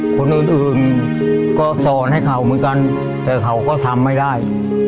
คนอื่นอื่นก็สอนให้เขาเหมือนกันแต่เขาก็ทำไม่ได้